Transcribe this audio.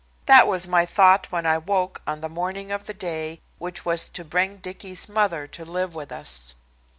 That was my thought when I awoke on the morning of the day which was to bring Dicky's mother to live with us.